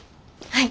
はい。